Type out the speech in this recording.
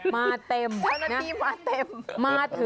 มาถึงก็เขียนใหญ่เลยค่ะเออทำไมงูมันยังแผลแม่แบ้